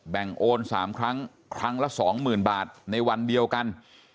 โอน๓ครั้งครั้งละ๒๐๐๐บาทในวันเดียวกัน